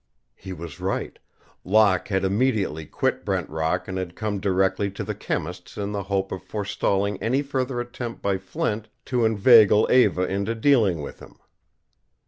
He was right. Locke had immediately quit Brent Rock and had come directly to the chemist's in the hope of forestalling any further attempt by Flint to inveigle Eva into dealing with him.